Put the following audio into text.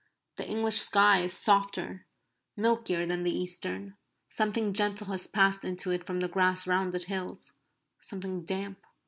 The English sky is softer, milkier than the Eastern. Something gentle has passed into it from the grass rounded hills, something damp.